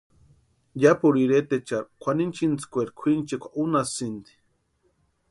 Yapuru iretecharhu kwʼaninchintskweeri kwʼinchikwa únhasïnti.